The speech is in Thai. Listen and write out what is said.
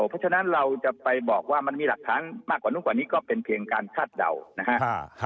เพราะฉะนั้นเราจะไปบอกว่ามันมีหลักฐานมากกว่านู้นกว่านี้ก็เป็นเพียงการคาดเดานะครับ